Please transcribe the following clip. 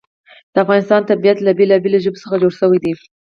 د افغانستان طبیعت له بېلابېلو ژبو څخه جوړ شوی دی.